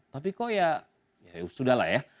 tapi kok ya sudah lah ya